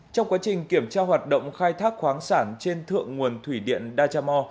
trong quá trình kiểm tra hoạt động khai thác khoáng sản trên thượng nguồn thủy điện đa cha mò